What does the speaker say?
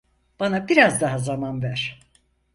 Bana biraz daha zaman ver.